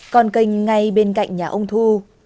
còn cành ngay bên cạnh nhà ông thu